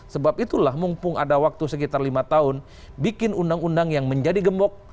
sebab itulah mumpung ada waktu sekitar lima tahun bikin undang undang yang menjadi gembok